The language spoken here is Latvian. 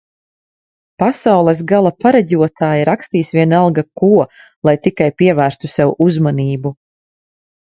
Pasaules gala pareģotāji rakstīs vienalga ko, lai tikai pievērstu sev uzmanību